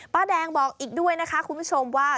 ป้าแดงบอกอีกด้วยนะคะคุณผู้ชมว่า